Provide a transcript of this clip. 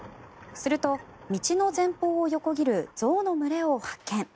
すると、道の前方を横切る象の群れを発見。